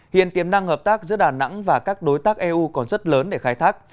hiện tiềm năng hợp tác giữa đà nẵng và các đối tác eu còn rất lớn để khai thác